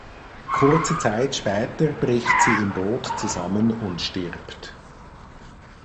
Kurze Zeit später bricht sie im Boot zusammen und stirbt.